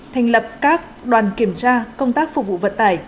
thành lập các đoàn kiểm tra công tác phục vụ vận tải